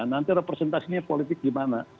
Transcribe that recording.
nanti representasinya politik gimana